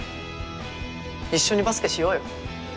一緒にバスケしようよ。